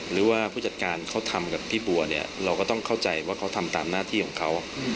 เราก็ต้องเข้าใจว่าเขาทำตามหน้าที่ของเขา